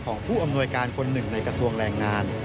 ของผู้อำนวยการคนหนึ่งในกระทรวงแรงงาน